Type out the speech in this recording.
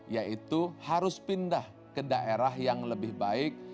yaitu harus pindah ke daerah yang lebih baik